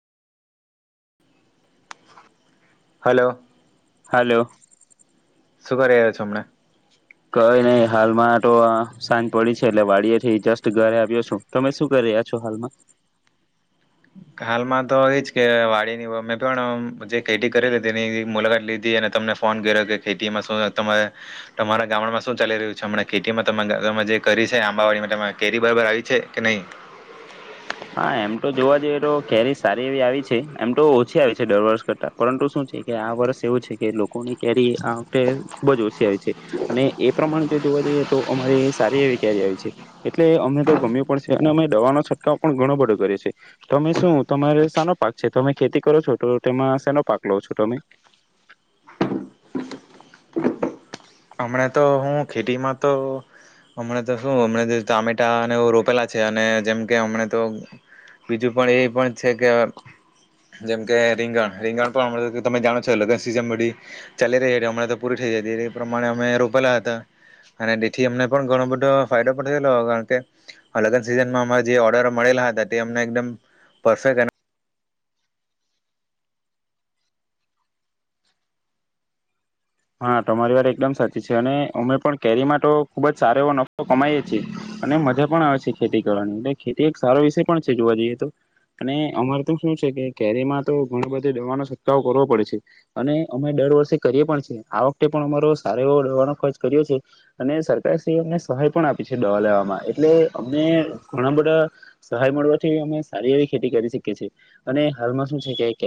Hello hello શું કરી રહ્યા છો હમણા કઈ નહી હાલમાં તો અમ સાંજ પડી છે એટલે વાડી એ થી જસ્ટ ઘરે આવ્યો છું, તમે શું કરી રહ્યા છો હાલમાં. હાલમાં તો એજ કે વાડીની મે પણ જે ખેતી કરેલી હતી તેની મુલાકાત લીધી અને તમને ફોન કર્યો કે ખેતીમાં શું તમારા તમારા ગામડામાં શું ચાલી રહ્યું છે હમણાં ખેતીમાં તમાં તમે જે કરી છે આંબાવાડીમાં કેરી બરાબર આવી છે કે નહી. હા એમ તો જોવા જઈએ તો કેરી સારી એવી આવી છે એમ તો ઓછી આવી છે દર વર્ષ કરતા પરંતુ શું છે કે આ વર્ષ એવું છે કે લોકોની કેરી આ વખતે ખુબ જ ઓછી આવી છે અને એ પ્રમાણે જોવા જઈએ તો અમારી અહીં સારી એવી કેરી આવી છે એટલે અમે તો ગમ્યું પણ છે અને અમે દવાનો છટકાવ પણ ઘણો બધો કર્યો છે તમે શું તમારે સાનો પાક છે તમે ખેતી કરો છો તો તેમાં સાનો પાક લો છો તમે. હમણા તો હું ખેતીમાં તો હમણાં તો શું હમણા તો ટામેટા અને રોપેલા છે અને જેમકે હમણા તો બીજું પણ એ પણ છે કે જેમકે રીંગણ રીંગણ પણ હમણાં તો તમે જાણો છો લગ્ન સીઝન બધી ચાલી રહી હમણાં તો પૂરી થઈ જતી રહી. પ્રમાણે અમે રોપેલા હતા અને તેથી અમને પણ ઘણો બધો ફાયદો પણ થયેલો કારણ કે લગન સીઝનમાં અમારે જે ઓર્ડર મળેલા હતા તે અમને એકદમ પરફેક્ટ અને હા તમારી વાત એકદમ સાચી છે અને અમે પણ કેરીમાં તો ખુબ જ સારો એવો નફો કમાઈએ છીએ અને મજા પણ આવે છે ખેતી કરવાની એટલે ખેતી એક સારો વિષય પણ છે જોવા જઈએ તો અને અમારે તો શું છે કે કેરીમાં તો ઘણો બધા દવાનો છટકાવો કરવો પડે છે અને અમે દર વર્ષે કરીએ પણ છે. આ વખતે પણ અમારો સારો એવો દવાનો ખર્ચ કર્યો છે અને સરકારશ્રી એ અમને સહાય પણ આપી છે દવા લેવામાં એટલે અમને ઘણા બધા સહાય મળવાથી અમે સારી એવી ખેતી કરી શકીએ છીએ અને હાલમાં શું છે કે